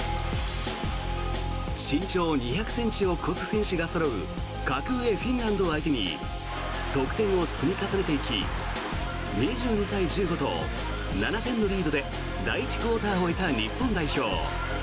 身長２００ｃｍを超す選手がそろう格上フィンランドを相手に得点を積み重ねていき２２対１５と７点のリードで第１クオーターを終えた日本代表。